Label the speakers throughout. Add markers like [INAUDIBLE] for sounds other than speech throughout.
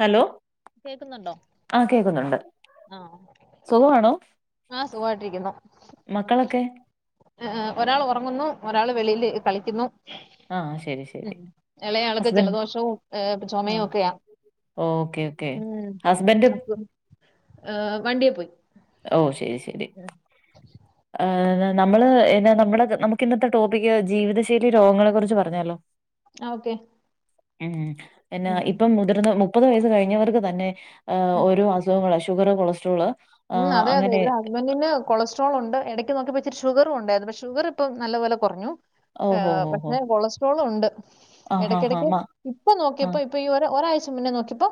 Speaker 1: Hello
Speaker 2: കേക്കുന്നുണ്ടോ
Speaker 1: ആ കേൾക്കുന്നുണ്ട്
Speaker 2: ആ ആ സുഖമായിട്ടിരിക്കുന്നു
Speaker 1: മക്കളൊക്കെ
Speaker 2: ആ ഒരാൾ ഉറങ്ങുന്നു ഒരാൾ വെളിൽ ഇരിന്ന്കളിക്കുന്നു
Speaker 1: ആ ശരി
Speaker 2: മ്
Speaker 1: ശരി
Speaker 2: ഇളയയാൾക്ക്
Speaker 1: ഹസ്ബൻഡ്
Speaker 2: ജലദോഷവും
Speaker 1: ആ
Speaker 2: ചുമയും ഒക്കെയാണ്
Speaker 1: ഓക്കെ ഓക്കെ ഹസ്ബൻഡ് ഇപ്പേ
Speaker 2: ആ വണ്ടി പോയി
Speaker 1: ഓ ശരി ശരി
Speaker 2: ഉം
Speaker 1: നമ്മള് എന്നെ നമ്മള നമുക്ക് ഇന്നത്തെ ടോപ്പിക് ജീവിതശൈലി രോഗങ്ങളെ കുറിച്ച് പറഞ്ഞാലോ
Speaker 2: ഓക്കെ
Speaker 1: ഉം പിന്നെ ഇപ്പം
Speaker 2: ഉം
Speaker 1: മുതിർന്ന മുപ്പത് വയസ്സ് കഴിഞ്ഞവർക്ക് തന്നെ ഒരു അസുഖങ്ങള ഷുഗർ കൊളസ്ട്രോള് ആ
Speaker 2: ഉംഅതെഅതെ
Speaker 1: അങ്ങനെ
Speaker 2: ഇവിടെ ഹസ് ഹസ്ബന്റിന്കൊളസ്ട്രോൾ ഉണ്ട് ഇടക്ക് നോക്കി ഇച്ചിരിഷുഗറും ഉണ്ടായിരുന്നു പക്ഷ ഷുഗർ ഇപ്പോ നല്ല പോലെ കുറഞ്ഞു ആ
Speaker 1: ഓഹോ ഹോ ഹോ
Speaker 2: പക്ഷെ കൊളസ്ട്രോൾ ഉണ്ട്
Speaker 1: ആ ഹാ ഹാ
Speaker 2: ഇടക്കിടക്ക്
Speaker 1: മ
Speaker 2: ഇപ്പൊ
Speaker 1: ആ
Speaker 2: നോക്കിയപ്പോ ഇപ്പോഒരാഴ്ച മുന്നെ നോക്കിയപ്പോ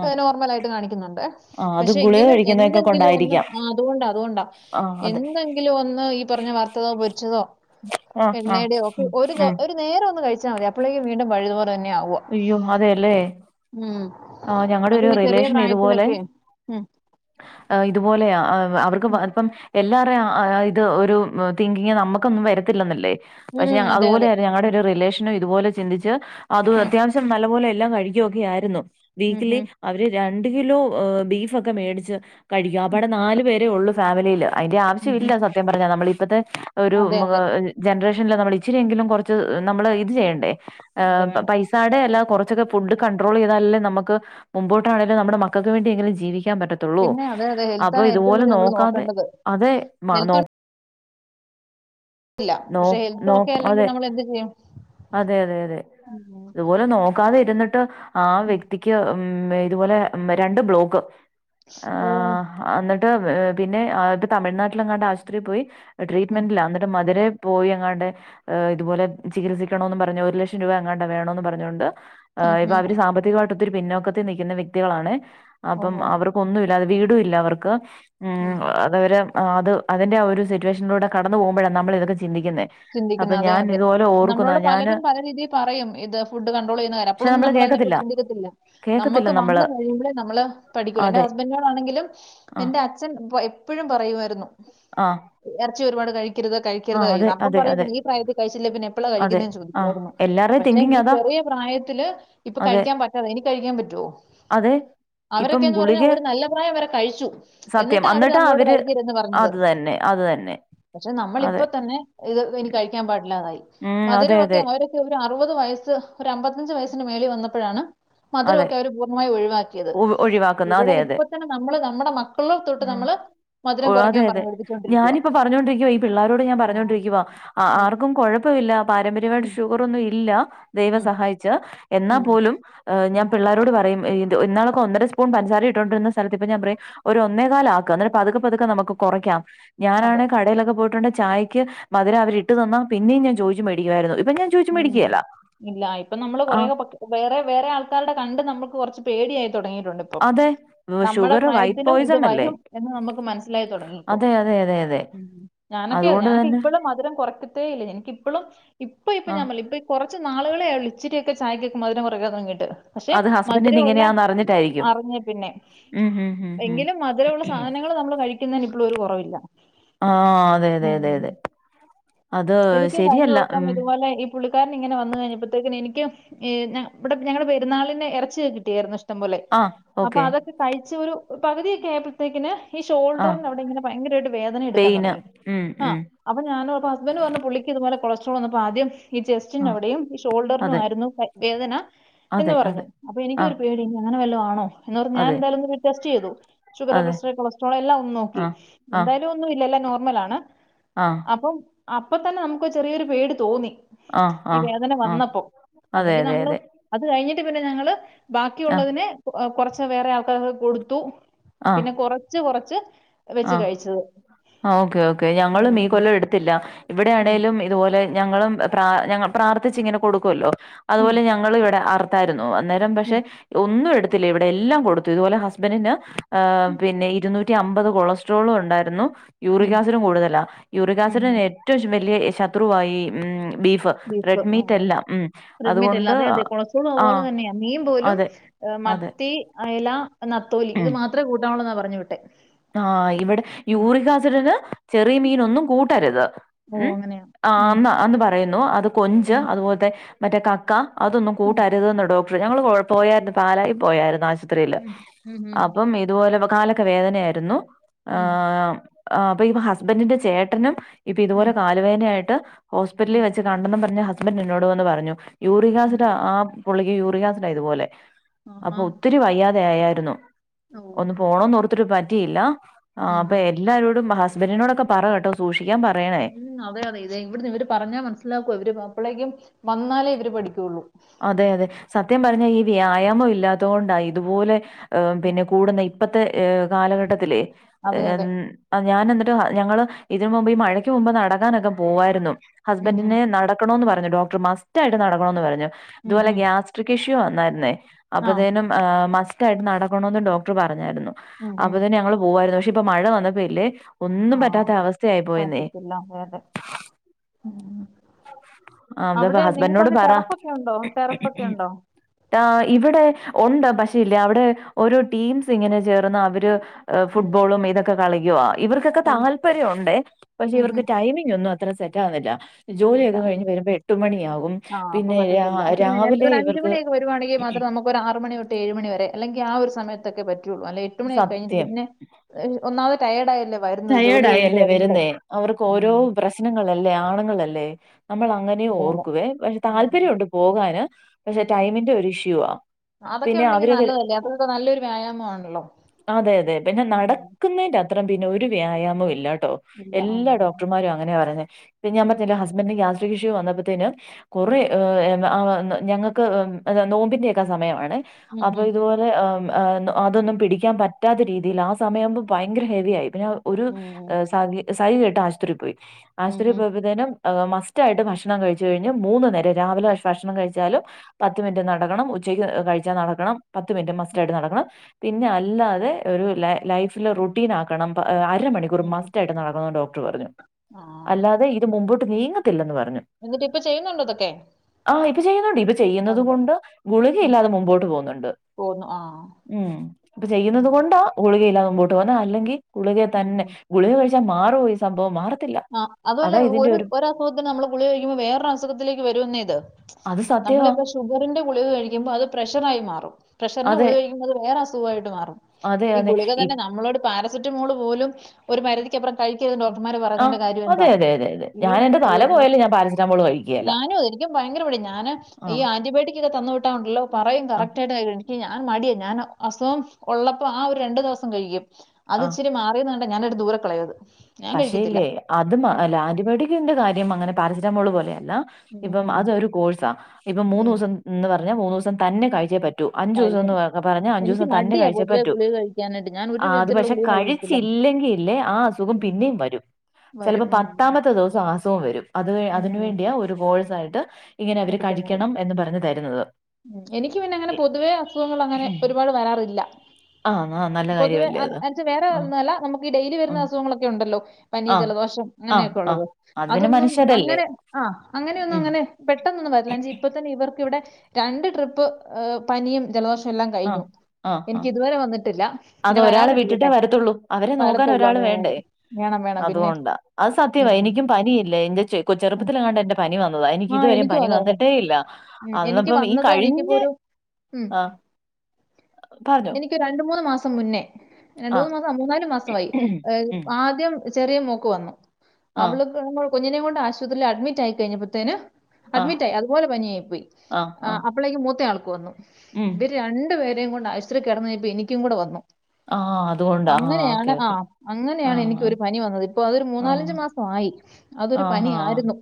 Speaker 1: ആ
Speaker 2: നോർമൽ ആയിട്ട് കാണിക്കുന്നുണ്ട്
Speaker 1: ആ അത്
Speaker 2: പക്ഷെ
Speaker 1: ഗുളിക
Speaker 2: എങ്കിലും എന്ത്
Speaker 1: കഴിക്കുന്നതൊക്കെ
Speaker 2: എന്തെങ്കിലുംഒന്ന്
Speaker 1: കൊണ്ടായിരിക്കാം
Speaker 2: ആ അതുകൊണ്ടാ അതുകൊണ്ടാ
Speaker 1: ആ അതെ
Speaker 2: എന്തെങ്കിലും ഒന്ന് ഈ പറഞ്ഞ വർത്തതോ പൊരിച്ചതോ
Speaker 1: ആ ആ
Speaker 2: എണ്ണ ടെയോ
Speaker 1: ഉം
Speaker 2: ഒ
Speaker 1: ഉം
Speaker 2: ഒരു നേരം ഒന്ന് കഴിച്ചാൽ മതി അപ്പോഴേക്ക് വീണ്ടും വഴുതപോല തന്നെയ ആവും
Speaker 1: അയ്യോ അതെല്ലേ
Speaker 2: മ്
Speaker 1: ആ ഞങ്ങളടെ ഒരു റിലേഷൻ ഇതുപോലെ
Speaker 2: ഉം
Speaker 1: ആ ഇതുപോലെയ അവർക്ക്
Speaker 2: ഉം
Speaker 1: ഇപ്പം എല്ലാരുയും ഇത് ഒരു തിങ്കിങ് നമ്മുക്കൊന്നും വരത്തില്ലന്നല്ലേ പക്ഷെ
Speaker 2: ഉം, അതെ
Speaker 1: അതുപോലെ
Speaker 2: അതെ
Speaker 1: ആ ഞങ്ങളടെ ഒരു റിലേഷനും ഇതുപലെ ചിന്തിച്ച് അത്
Speaker 2: ഉം
Speaker 1: അത്യാവശ്യം നല്ല പോലെ എല്ലാം കഴിക്കൊക്കെ ആയിരുന്നു
Speaker 2: ഉം
Speaker 1: വീക്കിലി
Speaker 2: ഉം
Speaker 1: അവര് രണ്ട് കിലോ ബീഫ്ഒക്കെ മേടിച്ച് കഴിക്കും അവടെ നാല് പേരേ ഉള്ളു ഫാമിലിയിയില് അതിന്റെ
Speaker 2: ഉം
Speaker 1: ആവശ്യം ഇില്ല
Speaker 2: ഉം.
Speaker 1: സത്യം പറഞ്ഞാ നമ്മളിപ്പോത്തെ ഒരു
Speaker 2: അതെ അതെ
Speaker 1: ജനറേഷനല്ല നമ്മൾ ഇച്ചരിയെങ്കിലും കുറച്ച് നമ്മള് ഇത് ചെയ്യേണ്ടേ
Speaker 2: അതെ വേണം
Speaker 1: പൈസടെ അല്ലാ കൊറച്ച് കൊറച്ച്ഒക്കെ ഫുഡ് കൺട്രോൾ ചെയ്താൽ അല്ലെന മുക്ക് മുമ്പോടണങ്കിലുംനമ്മക്ക് മക്കൾക്ക് വേണ്ടിയെങ്കിലും ജീവിക്കാൻ പറ്റും പറ്റു
Speaker 2: പിന്നെ അതെ അതെ
Speaker 1: ഉള്ളുഅപ്പൊ
Speaker 2: ഹെൽത്താണ് ഏറ്റവും
Speaker 1: ഇതുപോലെ
Speaker 2: വലിയ നമ്മൾ
Speaker 1: നോക്കാതെ
Speaker 2: നോക്കേണ്ടത്
Speaker 1: അതെ
Speaker 2: ഹെൽത്ത്
Speaker 1: നോ
Speaker 2: ഇല്ല
Speaker 1: നോ
Speaker 2: പക്ഷെ ഹെൽത്ത്
Speaker 1: നോ
Speaker 2: ഒക്കെ അല്ലെങ്കിൽ
Speaker 1: അതെ
Speaker 2: നമ്മൾ എന്ത് ചെയ്യും
Speaker 1: അതെ അതെ അതെ
Speaker 2: ഉം.
Speaker 1: ഇതുപോലെ നോക്കാതെ ഇരുന്നിട്ട് ആ
Speaker 2: ഉം.
Speaker 1: വ്യക്തി ഇക്ക്ഇതുപോലെ രണ്ട് ബ്ലോഗ്
Speaker 2: ഓ
Speaker 1: എന്നിട്ട് പിന്നെ തമിഴ്നാട്ടിൽ എങ്ങാണ്ട് ആശുപത്രിയിൽ പോയി
Speaker 2: ഉം,
Speaker 1: ട്രീറ്റ്മെന്റല്ല എന്നിട്ട് മധുരെ പോയി അങ്ങാണ്ട് ഇതുപോലെ ചികിത്സിക്കണന്ന് പറഞ്ഞു ഒരു ലക്ഷം രൂപ എങ്ങാണ്ട് വേണന്ന് പറഞ്ഞോണ്ട്
Speaker 2: ഉം,
Speaker 1: ഇപ്പൊ
Speaker 2: ഉം.
Speaker 1: അവര് സാമ്പത്തികമായിട്ട് ഒത്തിരി പിന്നോക്കത്തിൽ നിൽക്കുന്ന വ്യക്തികളാണ് അപ്പം
Speaker 2: ഓഹോ
Speaker 1: അവർ ഒന്നുമില്ല വീടു ഇല്ല അവർക്ക് ഉ
Speaker 2: ഉം.
Speaker 1: അത് വരെ അത് അതിന്റെ ആ ഒരു സിറ്റുവേഷിലൂടെ കടന്നു പോകുമ്പോഴാണ് നമ്മള്ഇതൊക്കെ ചിന്തിക്കുന്നുന്നത് അപ്പൊ
Speaker 2: ചിന്തിക്കുന്ന അതെ
Speaker 1: ഞാൻ
Speaker 2: അതെ
Speaker 1: ഇതുപോലെ ഓർ
Speaker 2: നമ്മളോട് പലരു പല രീതിയിൽയും ഇത് ഫുഡ് കൺ്രോൾ ചെയ്യുന്ന കാര്യ
Speaker 1: പക്ഷെ
Speaker 2: അപ്പോഴൊന്നും
Speaker 1: നമ്മള്
Speaker 2: നമ്മള്അതിനെ
Speaker 1: കേക്കത്തില്ല
Speaker 2: കുറിച്ച്ചിന്തിക്കത്തില്ല
Speaker 1: കേക്കത്തില്ല
Speaker 2: നമ്മുക്ക്
Speaker 1: നമ്മള്
Speaker 2: വന്ന് കഴിയുമ്പോഴേ നമ്മള് പഠിക്കുള്ളൂ എന്റെ
Speaker 1: അതെ
Speaker 2: ഹസ്ബൻറിനോടാണെങ്കിലും
Speaker 1: ആഹ്
Speaker 2: എന്റെ അച്ഛൻ എപ്പോഴും പറയുമായിരുന്നു ഇറച്ചി ഒരുപാട് കഴിക്കരുത് കഴി
Speaker 1: ആ അതെ അതെ അതെ
Speaker 2: ഈ പ്രായത്തി കഴിച്ചില്ലേ പിന്നെ എപ്പളാ
Speaker 1: അതെ
Speaker 2: കഴിക്കുന്നന്ന്
Speaker 1: ആ
Speaker 2: ചോദിക്കായിരുന്നു
Speaker 1: എല്ലാരുടെയും
Speaker 2: പക്ഷെ
Speaker 1: തിങ്കിങ്
Speaker 2: ഈ
Speaker 1: അതാ
Speaker 2: ചെറിയ പ്രായത്തില് ഇപ്പൊ
Speaker 1: അതെ
Speaker 2: കഴിക്കാൻ പറ്റാതെ ഇനി കഴിക്കാൻ പറ്റുവോ
Speaker 1: അതെ ഇപ്പം
Speaker 2: അവരൊക്കെയന്ന്
Speaker 1: ഗുളിക
Speaker 2: പറഞ്ഞാൽ ഒരു നല്ലപ്രായം അവരെ കഴിച്ചു എന്നിട്ട് അവര് നമ്മളോട് കയിക്കരുത്പറഞ്ഞു
Speaker 1: അത് തന്നെ അത് തന്നെ
Speaker 2: പക്ഷെ നമ്മളിപ്പ
Speaker 1: അതെ
Speaker 2: തന്നെ ഇത് ഇനി കഴിക്കാൻ പാടില്ലാതായി
Speaker 1: ഉം അതെ
Speaker 2: മധുരമൊക്കെ
Speaker 1: അതെ
Speaker 2: ഓരോ ഒരു അറുപത് വയസ്സ്ഒരു അമ്പത്തഞ്ച്‌വയസിന്റെ മേളിൽ വന്നപ്പോഴാണ്
Speaker 1: അതെ
Speaker 2: മധുരമൊക്കെ അവര് പൂർണ്ണമായി ഒഴിവാക്കിയത്.
Speaker 1: ഒ-
Speaker 2: ത്
Speaker 1: ഒഴിവാക്കുന്ന
Speaker 2: ഇവിടെ
Speaker 1: അതെ അതെ
Speaker 2: ഇപ്പ തന്നെ നമ്മള് നമ്മുടെ മക്കള തൊട്ട് നമ്മള് മധുരം കുറ
Speaker 1: അത അതെ ഞാനിപ്പോ പറഞ്ഞുകൊണ്ടിരിക്കുവ ഈ പിള്ളാരരോട് ഞാൻ
Speaker 2: ആ.
Speaker 1: പറഞ്ഞൊണ്ടിരിക്കുവാ ആ
Speaker 2: ഉം.
Speaker 1: ആർക്കും കൊഴപ്പമില്ല പാരമ്പര്യമായിട്ട്
Speaker 2: ഉം.
Speaker 1: ഷുഗറൊന്നും ഇല്ല ദൈവം
Speaker 2: ഉം.
Speaker 1: സഹായിച്ച് എന്നാ
Speaker 2: ഉം.
Speaker 1: പോലും ഞാൻ
Speaker 2: ഉം.
Speaker 1: പിള്ളാരോട് പറയും ഇന്നാലൊക്കെ ഒന്നര സ്പൺ പഞ്സാര ഇട്ടണ്ടരുന്നഥലത്ത് ഇപ്പ ഞാൻ പറയും ഒരു ഒന്നേ കാല ആക്ക അന്നിട്ട് പതുക്കെ പതുക്കെ നമുക്ക് കുറയ്ക്കാം.
Speaker 2: അതെ.
Speaker 1: ഞാനാണ് കടയിലൊക്കെ പോയിട്ടണ്ട ചായയ്ക്ക് മധരം അവരിട്ടു തന്നാ പിന്നെയും ഞാ ചോദു മേടിക്കുയിരുന്നു ഇപ്പൊ ഞാൻ ചോദിച്ചു
Speaker 2: ഉം
Speaker 1: മേടിക്കുകേല.
Speaker 2: ഇല്ല ഇപ്പൊ നമ്മള് കൊറെ
Speaker 1: ആഹ്
Speaker 2: പ വേറെ വേറെ ആൾക്കാരുടെ കണ്ട് നമ്മുക്ക് കുറച്ച് പേടിയായി തുടങ്ങിയിട്ടുണ്ട്. തൊ
Speaker 1: അതെ
Speaker 2: നമ്മുടെ
Speaker 1: ഷുഗർ വൈറ്റ്
Speaker 2: പ്രായത്തിലും ഇത്
Speaker 1: പോയിസൺ അല്ലേ?
Speaker 2: വരും എന്ന് നമുക്ക് മനസ്സിലായി തുടങ്ങിട്ടോ
Speaker 1: അതെ അതെ അതെ അതെ.
Speaker 2: ഞാനൊക്കെയ
Speaker 1: അതുകൊണ്ട്
Speaker 2: ഞാനൊക്കെ
Speaker 1: തന്നെ
Speaker 2: ഇപ്പോഴും മധുരം കുറയ്ക്കത്തേ ഇല്ല എനിക്കിപ്പഴും ഇപ്പോ ഇപ്പ
Speaker 1: ആഹ്
Speaker 2: ഞൻ ഇപ്പ ഈ കുറച്ച് നാളെ ആള്ളൂ ഇചിരോക്ക ചായയ്ക്ക മധുരം കുറക്കാൻ തുടങ്ങീട്ട്. പക്ഷെ
Speaker 1: അത്
Speaker 2: മധുര
Speaker 1: ഹസ്ബൻഡിന്
Speaker 2: ഉള്ള
Speaker 1: ഇങ്ങനെയാന്ന് അറിഞ്ഞിട്ടായിരിക്കും.
Speaker 2: അറിഞ്ഞ പിന്നെ
Speaker 1: ഉം ഉം ഉം ഉം
Speaker 2: എങ്കിലും മധുരമുള്ള സാധനങ്ങൾ നമ്മള് കഴിക്കുന്നതിന് ഇപ്പോളും ഒരു കുറവില്ല.
Speaker 1: ആഹ് അതെ അതെ അതെ
Speaker 2: ഉം.
Speaker 1: അതെ അത് ശരിയല്ല ഉം
Speaker 2: പുള്ളിക്കാരന് ഇങ്ങനെ വന്നു കഴിഞ്ഞപ്പോഴത്തേക്കക്ക് എനിക്ക് ഇവിടെ ഞങ്ങളേ പെരുന്നാളിന്റെ ഇറച്ചി കിട്ടിയായിരുന്നുേ ത്തം പോലെ
Speaker 1: ആഹ്
Speaker 2: അപ്പൊ
Speaker 1: ഓക്കെ
Speaker 2: അതൊക്കെ കഴിച്ച ഒരു പകുതിയൊക്കെയാ ക്കിന് ഈ
Speaker 1: ആഹ്
Speaker 2: ഷോൾഡറി അവിടെ ഇങ്ങനെ ഭയങ്കരമായിട്ട് വേദനയ എടുക്കാൻ
Speaker 1: പെയിന്
Speaker 2: തുടങ്ങി
Speaker 1: ഉം
Speaker 2: ആ
Speaker 1: ഉം
Speaker 2: അപ്പൊ ഞാൻ ഹസ്ബൻഡ് പറഞ്ഞു പുള്ളിക്ക് ഇതുപോല കൊളസ്ട്രോൾ വന്നപ്പോ ആദ്യം ഈ
Speaker 1: ആഹ്
Speaker 2: ചെസ്റ്റിനവിടെയും ഈ ഷോൾഡറിനു
Speaker 1: അതെ
Speaker 2: ആയിരുന്നു വേദന എന്ന്
Speaker 1: അതെ
Speaker 2: പറഞ്ഞു
Speaker 1: അതെ
Speaker 2: അപ്പ
Speaker 1: ആഹ്
Speaker 2: എനിക്കൊരു പേടി അങ്ങനെ വല്ലോം ആണോ ന്നോർത്ത്
Speaker 1: അതെ
Speaker 2: എന്തായാലു ടെസ്റ്റ് ചെയ്തു ഷുഗർ
Speaker 1: അതെ
Speaker 2: പ്രഷർ കൊളസ്ട്രോൾ എല്ലാം ഒന്നും നോക്കി
Speaker 1: ആഹ് ആഹ്
Speaker 2: എന്തായാലും ഒന്നും ഇല്ലല്ല നോർമൽ ആണ്.
Speaker 1: ആഹ്
Speaker 2: അപ്പം അപ്പൊ തന്നെ നമുക്ക് ചെറിയൊരു പേടി തോന്നി
Speaker 1: ആഹ്
Speaker 2: ഈ
Speaker 1: ആഹ്
Speaker 2: വേദന
Speaker 1: ആഹ്
Speaker 2: വന്നപ്പോ
Speaker 1: അതെ
Speaker 2: അല്ലെങ്കി
Speaker 1: അതെ
Speaker 2: നമ്മള്
Speaker 1: അതെ
Speaker 2: അത് കഴിഞ്ഞിട്ട് പിന്നെ ഞങ്ങള്
Speaker 1: ആഹ്
Speaker 2: ബാക്കിയുള്ളതിനെ കുറച്ച് വേറെ ആൾക്കാർക്ക് കൊടുത്തു.
Speaker 1: ആഹ്
Speaker 2: പിന്നെ കൊറച്ച് കൊറച്ച്
Speaker 1: ആഹ് ആഹ് ഓക്കേ ഓക്കെ ഞങ്ങളും ഈ
Speaker 2: ഉം
Speaker 1: കൊല്ലം എടുത്ത് ത്തില്ല
Speaker 2: ഉം
Speaker 1: ഇവിടെയാണേങ്കലും ഇതുപോലെ ഞങ്ങളും ഞങ്ങൾ പ്രാർത്ഥിച്ച് ഇങ്ങനെ കൊടുക്കുമല്ലോ?
Speaker 2: ഉം
Speaker 1: അതുപോലെ ഞങ്ങള ഇവിടെ അർത്തായിരുന്നു അന്നേരം പക്ഷെ
Speaker 2: ഉം
Speaker 1: ഒന്നും എടുത്ത് ത്തില്ല ഇവിടെ എല്ലാം കൊടുത്തു ഇതുപോലെ ഹസ്ബന്റിന് പിന്നെ ഇരുന്നൂറ്റി അമ്പത് അമ്പത് കൊളസ്ട്രോളും ഉണ്ടായിരുന്നു
Speaker 2: ഉം
Speaker 1: യൂറിക്കാസിഡും കൂടുതല
Speaker 2: ഉം
Speaker 1: യൂറക്സിഡ
Speaker 2: ഉം.
Speaker 1: ഏറ്റവും വലിയ ശത്രുവായി ബീഫ്.
Speaker 2: ബീഫ്
Speaker 1: റെഡ് മീറ്റ് അല്ല ഉം
Speaker 2: റെഡ്മിറ്റ് അല്ല
Speaker 1: അതുകൊണ്ട്
Speaker 2: അതെ അതെ കൊളസ്ട്രോൾ പോലെ
Speaker 1: ആഹ്
Speaker 2: തന്നെയാ മീൻ പോലും
Speaker 1: അതെ അതെ
Speaker 2: മത്തി അയല നത്തോലി
Speaker 1: ഉം
Speaker 2: ഇത് മാത്രമേ കൂട്ടാവുള്ളൂ എന്നാ പറഞ്ഞു വിട്ടെ.
Speaker 1: ആഹ് ഇവിടെ
Speaker 2: ഉം.
Speaker 1: യൂറിക്കാസഡിന് ചെറിയ മീനൊന്നും കൂട്ടരുത്.
Speaker 2: ഓ
Speaker 1: ഉം
Speaker 2: അങ്ങനെയാ
Speaker 1: ആ്
Speaker 2: ഉം
Speaker 1: ആ അന്ന് പറ പറയുന്ന് അത് കൊഞ്ച്
Speaker 2: ഉം
Speaker 1: അതുപോലത്തെ മറ്റേ കക്ക അതൊന്നും
Speaker 2: ഉം
Speaker 1: കൂട്ടരുതന്ന് ഡോ ടർ ഞങ്ങൾ പോയരുന്നു പാലായി പോയരുന്നു ആശുപത്രിയില്
Speaker 2: ഉം ഉം ഉം
Speaker 1: അപ്പം ഇതുപോലെ ക്കെ വേദന ആയിരുന്നു
Speaker 2: ഉം
Speaker 1: ഏഹ് ഹുസ്ബന്റിന്റെ ചേട്ടനും
Speaker 2: ഉം
Speaker 1: ഇതുപോലെ വേനയായിട്ട്
Speaker 2: ഉം
Speaker 1: ഹോസ്പിറ്റലിൽ
Speaker 2: ഉം
Speaker 1: വെച്ച് കണ്ടെന്ന് പറഞ്ഞ ഹസ്ബൻഡ് എന്നോട് വന്ന് പറഞ്ഞു
Speaker 2: ഉം.
Speaker 1: യൂറികാസിഡ് ആഹ് പുള്ളിക്ക് യൂറിയാസിണ്ട ഇതുപോലെ അപ്പൊ
Speaker 2: ആഹാ
Speaker 1: ഒത്തിരി വയ്യാതെ ആയായിരുന്നു.
Speaker 2: ഓ
Speaker 1: ഒന്ന് പോണന്നോർത്തിട്ട് പറ്റിയില്ല
Speaker 2: ഉം
Speaker 1: അപ്പ
Speaker 2: ഉം
Speaker 1: എല്ലാരോടും ഹസ് ബെന്നിനോടൊക്കെ പറ കേട്ടോ സൂക്ഷിക്കാൻ പറയണേ
Speaker 2: അതെ അതെ ഇത ഇവിടുന്ന് ഇവര് പറഞ്ഞാ മനസ്സിലാക്കൂ അവര് അപ്പളേക്കും വന്നാലേ ഇവര് പഠിക്കുള്ളൂ.
Speaker 1: അതെ അതെ സത്യം പറഞ്ഞാ ഈ വ്യായാമം ഇല്ലാത്ത കൊണ്ടാ ഇതുപോലെ
Speaker 2: ഉം
Speaker 1: പിന്നെ കൂടുന്നെ. ഇപ്പത്തെ ഏ കാലഘട്ടത്തിലെ
Speaker 2: അതെ
Speaker 1: എൻ
Speaker 2: അതെ
Speaker 1: ഞാനിന്നട്ട് ഞങ്ങള് ഇതിൻ മുമ്പ് ഈ മഴയ്ക്ക് മുമ്പ് നടക്കാനൊക്കെ പോവായിരുന്നു
Speaker 2: ഉം ഉം
Speaker 1: ഹസ്ബന്റിനെ നട ക്കണോന്ന് പറഞ്ഞു ഡോക്ടർ മസ്റ്റ് ആയിട്ട് നടക്കണോന്ന് പറഞ്ഞു.
Speaker 2: ഉം
Speaker 1: ഇതുപോലെ
Speaker 2: ഉം
Speaker 1: ഗാസ്ട്രിക് ഇഷ്യൂ വന്നായിരുന്നേ അപ്പത്തെനും ആ മസ്റ്റ് ആയിട്ട് നടക്കണെന്നും ഡോക്ടർ പറഞ്ഞായിരുന്നു.
Speaker 2: ഉം ഉം
Speaker 1: അപ്പത്തെനും ഞങ്ങള് പോവായിരുന്നു. ഇപ്പ മഴ വന്നപ്പോയില്ലേ ഒന്നും
Speaker 2: ആ
Speaker 1: പറ്റാത്ത അവസ്ഥയായി പോയിന്നേ
Speaker 2: പറ്റത്തില്ല അതെ അതെ ഉം
Speaker 1: ആഹ്, അതാ
Speaker 2: അവടെ
Speaker 1: ഹസ്ബൻഡിനോട്
Speaker 2: നിങ്ങൾക്കവടെ
Speaker 1: പറ
Speaker 2: ടെറഫൊക്കെയുണ്ടോ ടെറഫൊക്കെയുണ്ടോ
Speaker 1: ആഹ് ഇവടെ ഒണ്ട് പക്ഷേ ഇല്ലേ അവടെ ഓരോ ടീംസ് ഇങ്ങനെ ചേർന്ന് അവര് ഏഹ്
Speaker 2: ഉം
Speaker 1: ഫുട്ബോളും ഇതൊക്കെ കളിക്ക്യുവാ ഇവർക്കൊക്കെ
Speaker 2: ഉം
Speaker 1: താല്പര്യയുണ്ടേ പക്ഷേ
Speaker 2: ഉം
Speaker 1: ഇവർക്ക്
Speaker 2: ഉം.
Speaker 1: ടൈമിംഗൊന്നും അ അത്ര സെറ്റാവുന്നില്ല ജോലിയൊക്കെ കഴിഞ്ഞ് വരുമ്പോ എട്ട് മണിയാകും.
Speaker 2: ആഹ് അപ്പൊ
Speaker 1: പിന്നെ രാ
Speaker 2: പറ്റത്തില്ല ഇച്ചിരി നേരത്ത്
Speaker 1: രാവിലെ
Speaker 2: ഒരു അഞ്ച്
Speaker 1: ഇവർക്ക്
Speaker 2: മണിക്കെ വരുവാണെങ്കി മാത്രം ന നമുക്ക് ഒരു ആറ് മണി തൊട്ട് ഏഴ് മണി വരെ അല്ലെങ്കി ആ ഒരു സമയത്തൊക്കെ പറ്റുള്ളൂ അല്ലെ എട്ട് മണിയൊക്കെ കഴിഞ്ഞിട്ട്
Speaker 1: സത്യം
Speaker 2: പിന്നെ ഈ ഒന്നാമതെ ടയേഡ് ആയില്ലേ
Speaker 1: ടയേഡ് ആയല്ലേ വരുന്നേ അവർക്ക് ഓരോ
Speaker 2: ഉം
Speaker 1: പ്രശ്നങ്ങളല്ലേ ആണുങ്ങളല്ലേ നമ്മൾ അങ്ങനെ [UNINTELLIGIBLE]
Speaker 2: അതെ അതെ
Speaker 1: ഓർക്കുവേ പക്ഷെ
Speaker 2: ഉം ഉം
Speaker 1: താല്പര്യ ഒണ്ട് പോകാന് പക്ഷെ ടൈമിന്റെ ഒരു ഇഷ്യൂവാ
Speaker 2: ആഹ് അതൊക്കെ
Speaker 1: പിന്നെ
Speaker 2: ഒണ്ടെങ്കി
Speaker 1: അവരൊക്കെ
Speaker 2: നല്ലതല്ലേ അതൊക്കെ നല്ലൊരു വ്യായാമം ആണല്ലോ
Speaker 1: ക്കുന്നതിന്റെ അത്രം പിന്നെ ഒരു വ്യായാമം ഇല്ലാട്ടോ
Speaker 2: ഇല്ല
Speaker 1: എല്ലാ
Speaker 2: ഉം
Speaker 1: ഡോക്ടർമാരും അങ്ങനെ പറഞ്ഞേ ഇപ്പം ഞാൻ പറഞ്ഞില്ലെ ഹസ്ബൻഡിന് ഗ്യാസ്ട്രിക് ഇഷ്യൂ വന്നപ്പത്തേനും
Speaker 2: ഉം
Speaker 1: കുറെ ഏഹ് ആ ഞങ്ങ ക്ക് ഉം എന്നാ നോമ്പിന്റെയൊക്കെ സമയമാണെ
Speaker 2: ഉം
Speaker 1: അപ്പോ ഇത് പോലെ അത് അം അ അതൊന്നും പിടിക്കാൻ പറ്റാത്ത രീതിയിൽ ആ സമയാവുമ്പോ ഭയങ്കര ഹെവിയായി പിന്നെ ഒരു
Speaker 2: ഉം
Speaker 1: ഏഹ് സഹി സഹി കെട്ട് ആശുപത്രിയി പോയി ആശുപത്രി
Speaker 2: ഉം
Speaker 1: പോയപ്പത്തേനും ആഹ് മസ്റ്റ് ആയിട്ട് ഭക്ഷണം കഴിച്ചു കഴിഞ്ഞ് മൂന്ന് നേരം രാവിലെ ഭക്ഷണം കഴിച്ചാലും പത്ത് മിനിറ്റ് നടക്കണം ഉച്ചയ്ക്ക് കഴിച്ചാ നടക്കണം പത്ത് മിനിറ്റ് മസ്റ്റായിട്ട് നടക്കണം പിന്നെ അല്ലാതെ ഒരു ല ലൈഫില് റുട്ടീൻ ആ ക്കണം പ അരമണിക്കൂർ
Speaker 2: ഉം ഉം
Speaker 1: മസ്റ്റായിട്ട് നടക്കണോന്ന് ഡോക്ടർ പറഞ്ഞു
Speaker 2: ആഹ്
Speaker 1: അല്ലാതെ ഇ ഇത് മുമ്പോട്ട് നീങ്ങത്തില്ലെന്ന് പറഞ്ഞു
Speaker 2: എന്നിട്ട് ഇപ്പ ചെയ്യുന്നുണ്ടോ ഇതൊക്കെ
Speaker 1: ആഹ് ഇപ്പൊ ചെയ്യുന്നുണ്ട് ഇപ്പൊ ചെയ്യുന്നത്
Speaker 2: ഉണ്ട്
Speaker 1: കൊണ്ട് ഗുളിക
Speaker 2: ഉം
Speaker 1: ഇല്ലാതെ മുമ്പോട്ട് പോകുന്നുണ്ട്
Speaker 2: പോന്നു ആഹ്
Speaker 1: ഉം ഇപ്പൊ ചെയ്യുന്നത് കൊണ്ട് ഗുളികയില്ലാതെ മുമ്പോട്ട് പോന്ന് അല്ലെങ്കിൽ ഗുളിക
Speaker 2: ഉം
Speaker 1: തന്നെ
Speaker 2: ഉം
Speaker 1: ഗുളിക കഴിച്ചാ മാറു സംഭവം മാറത്തില്ല അതാ ഇതിന്റെ ഒരു
Speaker 2: അപ്പോത്തിന് നമ്മള് ഗുളിക കഴിക്കുമ്പോ വേറൊരു അസുഖത്തിലേക്ക് വരുന്നെ ഇത്
Speaker 1: അത് സത്യവാ
Speaker 2: നമ്മളിപ്പം ഷുഗറിന്റെ ഗുളിക കഴിക്കുമ്പോ അത് പ്രഷറായി മാറും പ്രഷറിന്റെ
Speaker 1: അതെ
Speaker 2: ഗുളിക കഴി ക്കുന്നത് വേറെ അസുഖായിട്ട് മാറും
Speaker 1: അതെ
Speaker 2: ഈ
Speaker 1: അതെ
Speaker 2: ഗുളിക
Speaker 1: ഇ
Speaker 2: തന്നെ നമ്മളോട് പാരസെ സറ്റമോള് പോലും ഒരു പരുതിക്കപ്പുറം കഴിക്കരുത് ഡോക്ടർമാർ പറ
Speaker 1: ആ
Speaker 2: റഞ്ഞതിന്റെ കാര്യം എന്താ
Speaker 1: അതെ അതെ അതെ അതെ
Speaker 2: ഈ
Speaker 1: ഞാൻ എന്റെ തല
Speaker 2: ഈപ്
Speaker 1: പോയാലും ഞാൻ പാരസെറ്റാമോൾ കഴിക്കുകയില്ല
Speaker 2: ഞാനും അതെ എനിക്കും ഭയങ്കര മടിയാ ഞാന്
Speaker 1: ആ
Speaker 2: ഈ ആന്റിബയോട്ടിക്ക് ഒക്കെ തന്ന് വിട്ടാല്ണ്ടല്ലോ പറയും
Speaker 1: ആ
Speaker 2: കറക്റ്റായിട്ട് എനിക്ക് ഞാൻ മടിയ ഞാൻ അസുഖം ഉള്ളപ്പോ ആ ഒരു രണ്ടു ദിവസം കഴിക്കും അത്
Speaker 1: ആ
Speaker 2: ഇച്ചിരി മാറിയെന്ന് കണ്ടാ ഞാനതെടുത്ത് ദൂരെ കളയും അത്
Speaker 1: പക്ഷേല്ലേ അത് മ അല്ല ആന്റിബയോട്ടിക്കിന്റെ കാര്യം അങ്ങനെ പാരസെറ്റമോൾ പോലെയല്ല ഇനിയിപ്പം
Speaker 2: ഉം
Speaker 1: അതൊരു കോഴ്സാ ഇപ്പം മൂന്ന്
Speaker 2: ഉം
Speaker 1: ദിവസന്ന് പറഞ്ഞാ മൂന്ന് ദിവസം തന്നെ കഴിച്ചേ പറ്റ് റ്റൂ അഞ്ചു ദീസംന്ന്
Speaker 2: കഴിക്കണം
Speaker 1: പറഞ്ഞ അഞ്ചു
Speaker 2: എനിക്ക്
Speaker 1: ദീസം തന്നെ
Speaker 2: മടിയാ
Speaker 1: കഴിച്ചേ
Speaker 2: പൊതുവെ
Speaker 1: പറ്റൂ
Speaker 2: ഗുളിക കഴിക്കാനായിട്ട് ഞാൻ
Speaker 1: ആ
Speaker 2: ഒരു
Speaker 1: അത്
Speaker 2: വിധത്തിലുള്ള
Speaker 1: പക്ഷെ
Speaker 2: ഗുളിക
Speaker 1: കഴി
Speaker 2: കഴിക്കത്തില്ല
Speaker 1: ച്ചില്ലെങ്കിൽില്ലേ ആ അസുഖം
Speaker 2: ഉം,
Speaker 1: പിന്നെയും വരും ചെലപ്പോ
Speaker 2: വരും ഉം.
Speaker 1: പത്താമത്തെ ദിവസം അസുഖം വെരും അത് അതിന്
Speaker 2: ഉം,
Speaker 1: വേണ്ടിയാ ഒരു കോഴ്സ് ആയിട്ട് ഇങ്ങനെ അവര്
Speaker 2: എടുക്കുന്നത്
Speaker 1: കഴിക്കണം എന്ന് പറഞ്ഞു തരുന്നത്
Speaker 2: ഉം എനിക്ക് പിന്നെ അങ്ങനെ പൊതുവേ അസുഖങ്ങൾ അങ്ങനെ ഒരുപാട് വരാറില്ല
Speaker 1: ആ ആ നല്ല
Speaker 2: പൊതുവേ
Speaker 1: കാര്യമല്ലേ
Speaker 2: അൽ
Speaker 1: അത്
Speaker 2: [UNINTELLIGIBLE] വേറെ
Speaker 1: ആ
Speaker 2: ഒന്നും അല്ല നമുക്ക് ഈ ഡെയിലി
Speaker 1: ആ
Speaker 2: വരുന്ന അസുഖങ്ങളൊക്കെ ഉണ്ടല്ലോ പനീ
Speaker 1: ആ
Speaker 2: ജലദോഷം
Speaker 1: ആ
Speaker 2: അങ്ങനെയൊക്കെ
Speaker 1: ആ
Speaker 2: ഒള്ളത്
Speaker 1: അത് പിന്നെ
Speaker 2: അതൊന്നും
Speaker 1: മനുഷ്യരല്ലേ
Speaker 2: അങ്ങനെ ആഹ് അങ്ങനെയൊന്നും
Speaker 1: ഉം
Speaker 2: അങ്ങനെ പെട്ടെന്നൊന്നും വരില്ല [UNINTELLIGIBLE] ഇപ്പം ഇവർക്ക് ഇവിടെ രണ്ട് ട്രിപ്പ് ഏ പനിയും ജലദോഷ- എല്ലാം
Speaker 1: ആ
Speaker 2: കഴിഞ്ഞു
Speaker 1: ആ ആ
Speaker 2: എനിക്ക് ഇതുവരെ വന്നിട്ടില്ല
Speaker 1: അത്
Speaker 2: പിന്നെ
Speaker 1: ഒരാളെ വിട്ടിട്ടേ
Speaker 2: വരാതിരിക്കട്ടെ.
Speaker 1: വരത്തുള്ളൂ അവരെ നോക്കാൻ
Speaker 2: വരത്തുള്ളൂ.
Speaker 1: ഒരാള്
Speaker 2: അതെ അതെ.
Speaker 1: വേണ്ടേ
Speaker 2: അതെ. വേണം വേണം. പിന്നെ
Speaker 1: അതുകൊണ്ടാ അത്
Speaker 2: ഉം.
Speaker 1: സത്യമാ എനിക്കും പനിയില്ലേ എൻ്റെ ചെ കൊ
Speaker 2: ഉം.
Speaker 1: ചെറുപ്പത്തിലങ്ങാണ്ട് എൻ്റെ പനി വന്നതാ എനിക്ക്
Speaker 2: ആ
Speaker 1: ഇതുവരെ
Speaker 2: എനിക്കും
Speaker 1: പനി
Speaker 2: അതെ അതെ.
Speaker 1: വന്നിട്ടേ ഇല്ല.
Speaker 2: ഉം. എനിക്ക്
Speaker 1: അന്നപ്പം ഈ
Speaker 2: വന്നത്
Speaker 1: കഴിഞ്ഞ
Speaker 2: എനിക്കിപ്പോ ഒരു ഉം
Speaker 1: ആഹ് പറഞ്ഞോ
Speaker 2: രണ്ട് മൂന്ന് മാസം മുന്നേ, രണ്ട്‌
Speaker 1: ആ.
Speaker 2: മൂന്ന് മാസം മൂന്നാല് മാസമായി
Speaker 1: ഉം.
Speaker 2: ആദ്യം ചെറിയ മോക്ക് വന്നു.
Speaker 1: ആ.
Speaker 2: അവള്ക്ക് [UNINTELLIGIBLE] കുഞ്ഞിനെയും കൊണ്ട് ആശുപത്രിൽ അഡ്മിറ്റ് ആയി കഴിഞ്ഞപ്പോഴത്തേന് -
Speaker 1: ആ.
Speaker 2: അഡ്മിറ്റ്‌ ആയി, അതുപോലെ പനിയായി പോയി
Speaker 1: ആ. ആ.
Speaker 2: അപ്പളേക്ക് മൂത്ത ആൾക്ക് വന്നു.
Speaker 1: ഉം.
Speaker 2: ഇവര് രണ്ടു പേരെയും കൊണ്ട് ആശുപത്രി കിടന്നുകഴിഞ്ഞപ്പ എനിക്കും കൂടെ വന്നു.
Speaker 1: ആ അതുകൊണ്ടാ. ആ ഓക്കെ
Speaker 2: അങ്ങനെയാണ് ആ
Speaker 1: ഓക്കെ. ആ.
Speaker 2: അങ്ങനെയാണ് എനിക്ക് ഒരു പനി വന്നത് ഇപ്പോ അതൊരു
Speaker 1: ആ.
Speaker 2: മൂന്നാലഞ്ച് മാസമായി. അതൊരു
Speaker 1: ആഹാ.
Speaker 2: പനിയായിരുന്നു.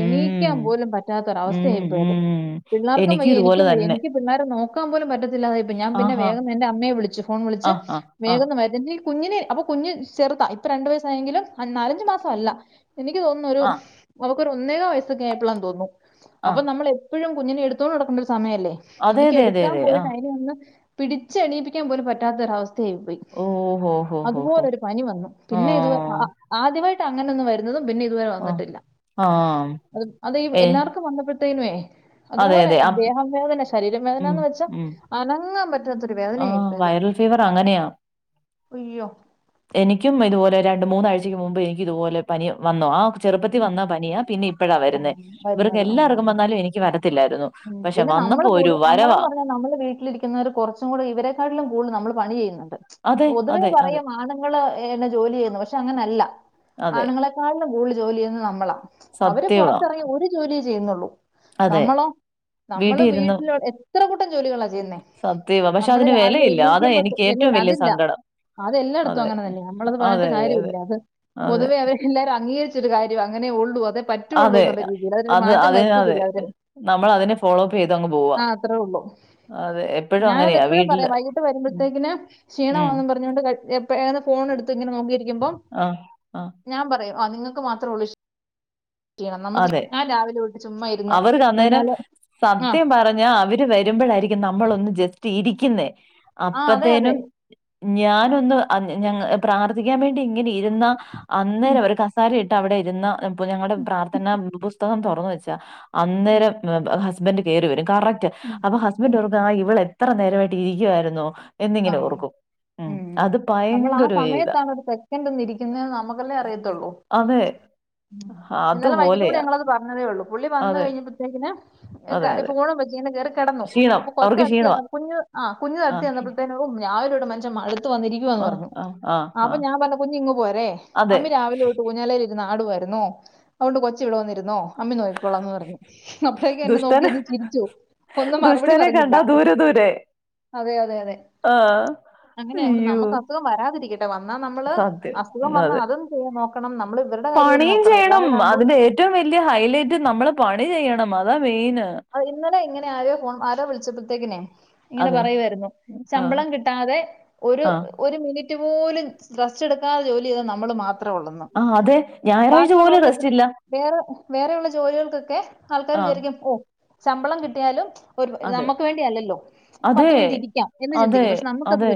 Speaker 2: എണീക്കാൻ പോലും പറ്റാത്തൊര
Speaker 1: ഉം.
Speaker 2: അവസ്ഥയായിപ്പോയത്.
Speaker 1: ഉം.
Speaker 2: പിള്ളാർക്കും വയ്യ
Speaker 1: ഇതുപോലെ
Speaker 2: എനിക്കും വയ്യ
Speaker 1: തന്നെ.
Speaker 2: എനിക്ക് പിള്ളേരെ നോക്ക - നിക്കാൻ പോലും പറ്റത്തില്ലാതായിപ്പോയി. ഞാൻ പിന്നെ
Speaker 1: ആഹാ.
Speaker 2: വേഗം എന്റെ അമ്മയെ വിളിച്ചു ഫോൺ വിളിച്ച്
Speaker 1: ആഹാ. ആ.
Speaker 2: വേഗമിങ് വരുത്തി കുഞ്ഞിനെ അപ്പൊ കുഞ്ഞ് ചെറുതാ ഇപ്പൊ രണ്ടു വയസായെങ്കിലും നാലഞ്ചു മാസം അല്ല എനിക്ക് തോന്നുന്നു ഒരു
Speaker 1: ആ. ആ.
Speaker 2: അവക്ക് ഒരു ഒന്നേക വയസ്സെക്കേയപ്പള്ളാന്ന് തോന്നുന്നു
Speaker 1: ആ.
Speaker 2: അപ്പൊ നമ്മള് എ ഇപ്പോഴും കുഞ്ഞിനെ എടുത്തോണ്ട് നടക്കണ്ട ഒരു സമയല്ലേ
Speaker 1: അതെ
Speaker 2: എനിക്ക്
Speaker 1: അതെ അതെ
Speaker 2: എടുക്കാൻ
Speaker 1: അതെ. ആ.
Speaker 2: പോയിട്ട് അയ്നേ ഒന്ന് പിടിച്ച് എണിയിപ്പിക്കാൻ പോലും പറ്റാത്ത ഒരുഅവസ്ഥയായിപോയി.
Speaker 1: ഓ. ഹോ. ഹോ. ഹോ. ഹോ.
Speaker 2: അതുപോലെരു പനി വന്നു. പിന്നെ ഇത്
Speaker 1: ആഹ്
Speaker 2: ആ ആദ്യമായി അങ്ങനൊന്നും വരുന്നതും പിന്നെ ഇതുവരെ
Speaker 1: ആഹ്
Speaker 2: വന്നിട്ടില്ല.
Speaker 1: ആഹ്
Speaker 2: അത്
Speaker 1: ഏഹ്
Speaker 2: എല്ലാവർക്കും ബന്ധപ്പെ [UNINTELLIGIBLE]
Speaker 1: അതെ
Speaker 2: അതുപോലെ
Speaker 1: അതെ അ
Speaker 2: ദേഹം വേദന ശരീരം വേദനന്ന് വെച്ചാൽ അനങ്ങാൻ പറ്റാത്ത
Speaker 1: ആഹ വൈറൽ ഫീവർ അങ്ങനെയാ.
Speaker 2: അയ്യോ
Speaker 1: എനിക്കും ഇതുപോലെ രണ്ടു മൂന്നാഴ്ചക്ക് മുമ്പ് എനിക്ക് ഇതുപോലെ പനി വന്നു. ആ ചെറുപ്പത്തി വന്നാ പനിയാ പിന്നെ ഇപ്പഴാ
Speaker 2: ആ
Speaker 1: വരുന്നെ ഇവർക്ക്
Speaker 2: വരുന്നത് ഉം.
Speaker 1: എല്ലാവർക്കും വന്നാലും എനിക്ക് വരത്തില്ലായിരുന്നു.
Speaker 2: ഉം
Speaker 1: പക്ഷെ
Speaker 2: പിന്നെ നമ്മള്
Speaker 1: വന്നപ്പോ ഒരു
Speaker 2: കൂടു നമ്മളന്ന്
Speaker 1: വരവാ
Speaker 2: പറഞ്ഞാൽ നമ്മളെ വീട്ടിലിരി ക്കുന്നവർ കുറച്ചും കൂടി ഇവരെക്കാട്ടിലും കൂടുതൽ നമ്മള്പണി ചെയ്യുന്നു
Speaker 1: അതെ
Speaker 2: പൊതുവേ
Speaker 1: അതെ അതെ
Speaker 2: പറയും ആണുങ്ങള് എന്നെ ജോലി ചെയ്യുന്നു പക്ഷെ അങ്ങനെയല്ല,
Speaker 1: അതെ
Speaker 2: ആണുങ്ങളെക്കാളിലും കൂടുതൽ ജോലി ചെയ്യുന്നത് നമ്മളാ, അവര്
Speaker 1: സത്യവാ
Speaker 2: പൊറത്തിറങ്ങി ഒർ ജോലി ചെയ്യുന്നുള്ളൂ
Speaker 1: അതെ
Speaker 2: നമ്മളോ? നമ്മള്
Speaker 1: വീട്ടിൽ ഇരുന്ന്
Speaker 2: വീട്ടില് എത്ര കൂട്ടം ജോലികളാചെ ചെയ്യുന്നേ,
Speaker 1: സത്യവാ പക്ഷെ
Speaker 2: നമ്മള്
Speaker 1: അതിന്
Speaker 2: രാവിലെ
Speaker 1: വിലയില്ല അതാ
Speaker 2: എണീക്കുമ്പോത്ത്
Speaker 1: എനിക്ക്
Speaker 2: അല്ലെ
Speaker 1: ഏറ്റവും വലിയ
Speaker 2: അതില്ല
Speaker 1: സങ്കടം
Speaker 2: അതെല്ലായിട്ത്തും
Speaker 1: അതെ
Speaker 2: അങ്ങനെ തന്നെ നമ്മളത് പറഞ്ഞിട്ട്
Speaker 1: അതെ
Speaker 2: കാര്യയില്ല അത്
Speaker 1: അതെ
Speaker 2: പൊതുവെ അവേ- എല്ലാരും അംഗീകരിച്ചൊരു കാര്യം അങ്ങനെ ഉള്ളൂ, അതെ പറ്റുള്ളൂ,
Speaker 1: അതെ
Speaker 2: എന്നുള്ള രീതിയില് അവതരു
Speaker 1: അത്
Speaker 2: മാറ്റം
Speaker 1: അതിന് അതെ
Speaker 2: വരുത്തത്തില്ല അവര്,
Speaker 1: നമ്മൾ അതിനെ- ഫോളോഅപ്പ് ചെയ്ത് അങ്ങ് പോവാ
Speaker 2: ആ അത്രേ ഉള്ളു.
Speaker 1: അതെ. എപ്പഴും
Speaker 2: ഞാൻ അത്
Speaker 1: അങ്ങനെയാ.
Speaker 2: എപ്പോഴും
Speaker 1: വീട്ടില്
Speaker 2: പറയും വൈകിട്ട്
Speaker 1: ഉം.
Speaker 2: വരുമ്പോഴത്തേക്കിന്
Speaker 1: ഉം.
Speaker 2: ക്ഷീണമാണ്ന്ന് പറ പറഞ്ഞൊണ്ട് [UNINTELLIGIBLE] ഫോൺ എടുത്ത് ഇങ്ങനെ നോക്കിയിരിക്കുബം
Speaker 1: ആ. ആ.
Speaker 2: ഞാൻ പറയും ആ നിങ്ങക്ക് മാത്രം ഒള്ളു ക്ഷീ
Speaker 1: അതെ,
Speaker 2: രാവിലെ തൊട്ട് ചുമ്മാ ഇരുന്ന്
Speaker 1: അവർ അന്നേരം
Speaker 2: ഊഞ്ഞാല് ആ
Speaker 1: സത്യം പറ- ഞാൻ അവര് വരുമ്പോഴായിരിക്കും നമ്മളൊന്ന് ജസ്റ്റ് ഇരിക്കുന്നേ,
Speaker 2: ആ അതെ അതെ.
Speaker 1: അപ്പത്തേനും ഞാനൊന്ന് അ ഞങ്ങ പ്രാർത്ഥിക്കാൻ വേണ്ടി ഇങ്ങനെ ഇരുന്ന
Speaker 2: ഉം
Speaker 1: അന്നേരം ഒരു കസ് സാരി ഇട്ട് അവിടെ ഇരുന്ന് ഞങ്ങടെ പ്രാർഥന പുസ്തകം തുറന്ന് വെച്ചാ- അന്നേരം എ ഹസ്ബന്റ് കേറി വരും. കറക്റ്റ്,
Speaker 2: ഉം
Speaker 1: അപ്പൊ
Speaker 2: ഉം.
Speaker 1: ഹസ്ബന്റ് ആ ഇവളെ- ഇത്ര നേരമായിട്ട് ഇരിക്കായിരുന്നോ
Speaker 2: ആ
Speaker 1: എന്നിങ്ങനെ ഓർക്കും.
Speaker 2: ഉം ഉം
Speaker 1: അത്
Speaker 2: നമ്മള് ആ
Speaker 1: ഭയങ്കര ഒരു ഇതാ.
Speaker 2: സമയത്താണ് ഒരു സെക്കൻഡ് ഒന്ന് ഇരിക്കുന്നെന്ന് നമുക്കല്ലേ അറിയത്തുള്ളൂ.
Speaker 1: അതെ ആ
Speaker 2: ഇന്നലെവൈകിട്ടൂടെ ഞങ്ങളത് പറഞ്ഞതേ ഉള്ളൂ, പുള്ളി വന്ന്‌ കഴിഞ്ഞപ്പഴത്തേക്കിന്
Speaker 1: അതെ അതെ
Speaker 2: ഫോണും വെച്ചങ്ങു കേറി കെട ന്നു,
Speaker 1: ക്ഷീണം
Speaker 2: അപ്പൊ
Speaker 1: അവർക്ക്
Speaker 2: കൊച്ചടുത്ത്
Speaker 1: ക്ഷീണമാ
Speaker 2: ചെന്നപ്പോ കുഞ്ഞ് ആ കുഞ്ഞ്
Speaker 1: ആ
Speaker 2: അടുത്ത് ചെന്നപ്പളത്തെനും ഓ രാവിലെതൊട്ട് മൻഷൻ മട് ത്തു വന്നിരിക്കുവാന്ന് പർഞ്ഞു ആ അപ്പൊ ഞാൻ പർഞ്ഞു കുഞ്ഞ് ഇങ്ങ് പോരെ,
Speaker 1: അതെ
Speaker 2: അമ്മി രാവിലെ തൊട്ട് ഊഞ്ഞാലേല് ഇരുന്ന് ആടുവയിരുന്നു. അതുകൊണ്ട് കൊച്ച് ഇവിടെ വന്നിരുന്നോ അമ്മി നോക്കിക്കോളാംന്ന് പർഞ്ഞു. അപ്പളേക്ക്‌ എന്നെ നോക്കി
Speaker 1: ദുഷ്ടനെ
Speaker 2: ഒന്ന് ചിരിച്ചു ഒന്നും മറുപടി
Speaker 1: ദുഷ്ടനെ
Speaker 2: പറഞ്ഞില്ല
Speaker 1: കണ്ട
Speaker 2: അതെ അതെ അതെ.
Speaker 1: ആഹ
Speaker 2: അങ്ങനെ ഒന്നും നമ്മുക്ക് അസുഖം വരാതിരിക്കട്ടെ. ണ്ടാ വന്നാ നമ്മള് അസുഖം
Speaker 1: സത്യം
Speaker 2: വന്നാ
Speaker 1: അതെ
Speaker 2: അതും ചെയ്യാ നോക്കണം നമ്മള് ഇവരുടെ കാര്യവും നോക്കണം എല്ലാം കൂടെ ആകുമ്പോ
Speaker 1: റ്റവും വലിയ ഹൈലൈറ്റ് നമ്മള് പണി ചെയ്യണം അതാ മെയിന്
Speaker 2: ആ ഇന്നലെ ഇങ്ങനെ ആരോ ഫോൺ ആരോ വിളിച്ചപ്പോഴത്തേക്കിനേ ഇങ്ങനെ
Speaker 1: അതെ
Speaker 2: പറയുവയിരുന്നു
Speaker 1: ആ
Speaker 2: ശമ്പളം കിട്ടാതെ ഒരു
Speaker 1: ആ
Speaker 2: ഒരു മിനിറ്റ്- മിനുറ്റ് പോലും സ് റെസ്റ്റ് എടുക്കാതെ ജോലി ചെയ്ത നമ്മള് മാത്രെ ഉള്ളന്ന്‌
Speaker 1: ആ അതെ ഞായറാഴ്ച പോലും റസ്റ്റില്ല
Speaker 2: വേറെ വേറെയുള്ള ജോലികൾക്കൊക്കെ ആൾക്കാര്
Speaker 1: ആ
Speaker 2: വിചാരിക്കും ഓ ശമ്പളം കിട്ടിയാലും ഒരു
Speaker 1: അതെ
Speaker 2: നമുക്ക് വേണ്ടിയല്ലല്ലോ പത്ത്
Speaker 1: അതെ
Speaker 2: മിനിറ്റ് ഇരിക്കാം എന്ന്
Speaker 1: അതെ
Speaker 2: ചിന്തിക്കും പക്ഷെ നമ്മക്കത് പറ്റ-